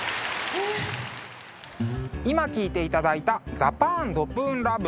今聴いていただいた「ザパーンドプーンＬＯＶＥ」。